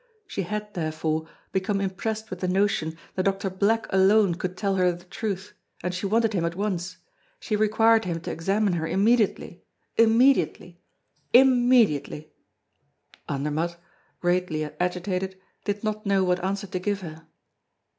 She had, therefore, become impressed with the notion that Doctor Black alone could tell her the truth, and she wanted him at once; she required him to examine her immediately, immediately, immediately! Andermatt, greatly agitated, did not know what answer to give her.